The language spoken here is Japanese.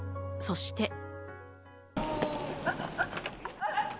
そして。